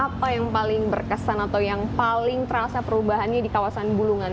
apa yang paling berkesan atau yang paling terasa perubahannya di kawasan bulungan